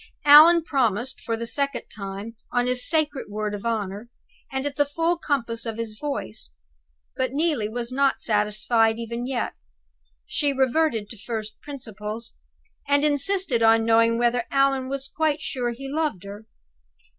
Allan promised for the second time, on his sacred word of honor, and at the full compass of his voice. But Neelie was not satisfied even yet. She reverted to first principles, and insisted on knowing whether Allan was quite sure he loved her.